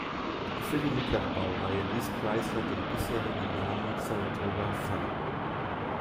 Für die mittlere Baureihe ließ Chrysler den bisherigen Namen Saratoga fallen.